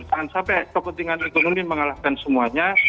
jangan sampai kepentingan ekonomi mengalahkan semuanya